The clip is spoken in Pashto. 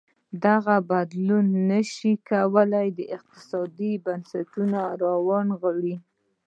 دغه بدلون نه ش وای کولی اقتصادي بنسټونه راونغاړي.